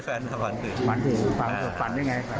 ฟันอย่างไร